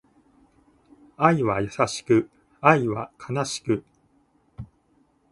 愛は優しく、愛は悲しく